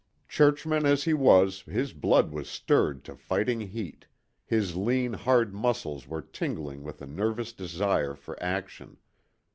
Churchman as he was his blood was stirred to fighting heat, his lean, hard muscles were tingling with a nervous desire for action.